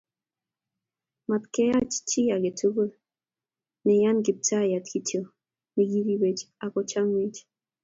matkeyan chi agetugul o nge yan kiptayat kityo ne kiripech ak kochamech